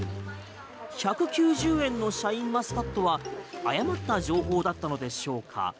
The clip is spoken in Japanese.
１９０円のシャインマスカットは誤った情報だったのでしょうか？